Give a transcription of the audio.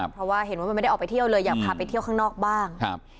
เพราะว่าเห็นว่ามันไม่ได้ออกไปเที่ยวเลยอยากพาไปเที่ยวข้างนอกบ้างครับ